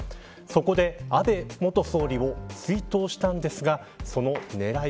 そこで、安倍元総理を追悼したんですがその狙い